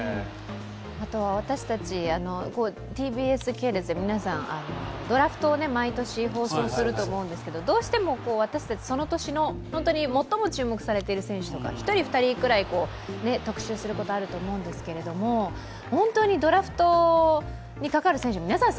私たちＴＢＳ系列でドラフトを毎年放送すると思うんですけど、どうしても私たち、その年の本当に最も注目されている選手とか、１人、２人くらい特集することあると思うんですけど、本当にドラフトにかかる選手、皆さん